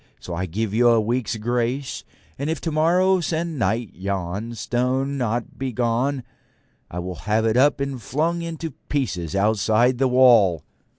So I give you a week's grace, and if tomorrow sennight yon stone be not gone, I will have it up and flung in pieces outside the wall.'